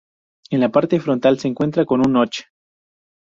En la parte frontal no cuenta con un "notch".